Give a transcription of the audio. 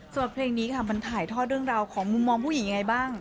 ส่วนเพลงนี้ค่ะมันถ่ายทอดเรื่องราวของมุมมองผู้หญิงยังไงบ้าง